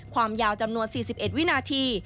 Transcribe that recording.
ความยาวจำนวน๔๑วินาที